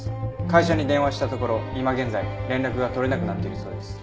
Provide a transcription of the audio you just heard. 会社に電話したところ今現在連絡が取れなくなっているそうです。